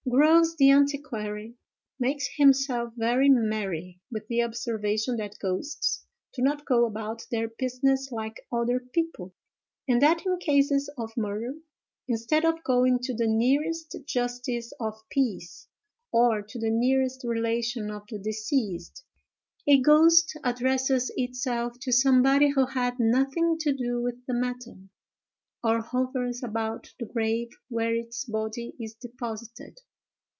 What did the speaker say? Grose, the antiquary, makes himself very merry with the observation that ghosts do not go about their business like other people; and that in cases of murder, instead of going to the nearest justice of peace, or to the nearest relation of the deceased, a ghost addresses itself to somebody who had nothing to do with the matter, or hovers about the grave where its body is deposited.